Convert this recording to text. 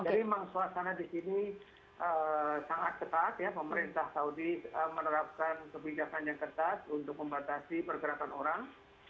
jadi memang suasana di sini sangat ketat ya pemerintah saudi menerapkan kebijakan yang ketat untuk membatasi pergerakan orang